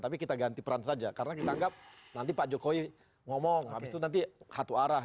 tapi kita ganti peran saja karena kita anggap nanti pak jokowi ngomong habis itu nanti satu arah